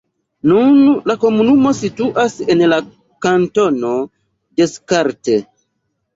Nun, la komunumo situas en la kantono Descartes.